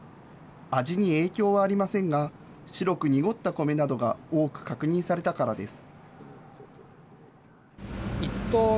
味に影響はありませんが、白く濁ったコメなどが多く確認されたからです。